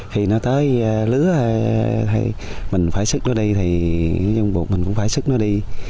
khi nó tới lứa mình phải xức nó đi thì mình cũng phải xức nó đi